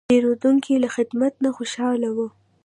پیرودونکی له خدمت نه خوشاله و.